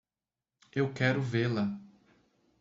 Eu quero vê-la.